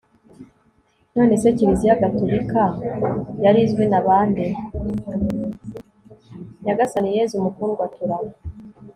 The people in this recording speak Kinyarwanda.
nyagasani yezu , mukundwa, tura